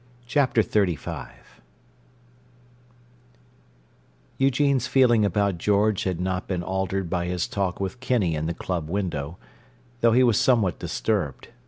Chapter XXXV Eugene's feeling about George had not been altered by his talk with Kinney in the club window, though he was somewhat disturbed.